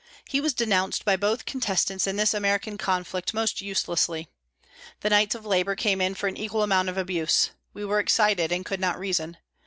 He was denounced by both contestants in this American conflict most uselessly. The knights of Labour came in for an equal amount of abuse. We were excited and could not reason.